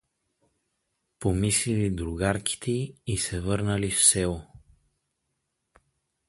Помислили другарките й и се върнали в село.